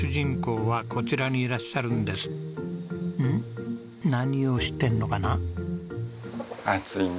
うん？何をしてるのかな？